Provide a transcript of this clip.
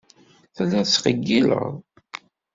Telliḍ tettqeyyileḍ.